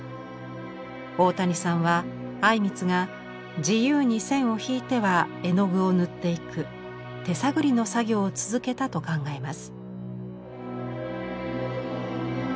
大谷さんは靉光が自由に線を引いては絵の具を塗っていく手探りの作業を続けたと考えます。